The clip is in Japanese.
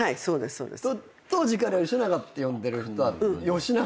そうですか。